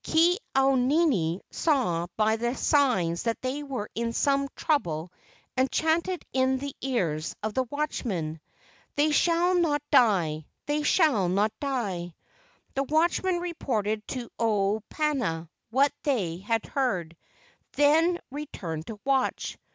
Ke au nini saw by the signs that they were in some trouble and chanted in the ears of the watchmen: "They shall not die. They shall not die." The watchmen reported to Olopana what they had heard, then returned to watch.